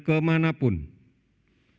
karena ini adalah perjalanan yang lebih baik